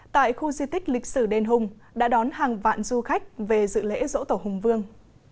tại khu di tích lịch sử đền hùng đã đón hàng vạn du khách về dự lễ dỗ tổ hùng vương